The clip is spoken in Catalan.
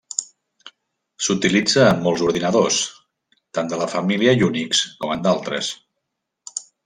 S'utilitza en molts ordinadors tant de la família Unix com en d'altres.